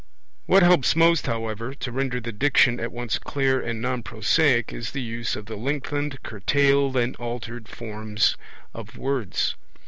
What helps most, however, to render the Diction at once clear and non prosaic is the use of the lengthened, curtailed, and altered forms of words.